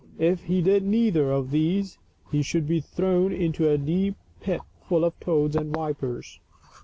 If he did neither of these he should be thrown into a deep pit full of toads and vipers.